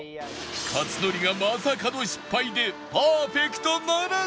克典がまさかの失敗でパーフェクトならず